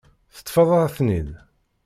Teṭṭfeḍ-aɣ-ten-id.